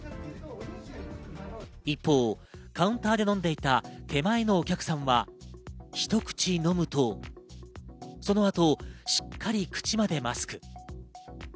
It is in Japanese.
一方、カウンターで飲んでいた手前のお客さんは一口飲むとその後、しっかり口までマスク。